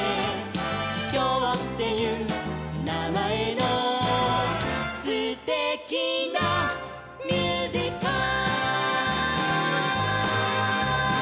「きょうっていうなまえのすてきなミュージカル」「」